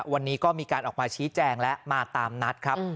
วันนี้ก็มีการออกมาชี้แจงและมาตามนัดครับ